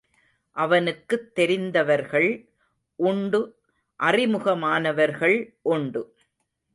அவனுக்குத் தெரிந்தவர்கள் உண்டு அறிமுகமானவர்கள் உண்டு.